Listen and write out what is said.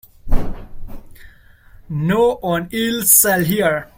No one else shall hear.